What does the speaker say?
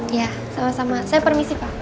iya sama sama saya permisi pak